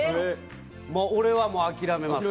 俺は諦めます。